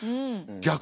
逆？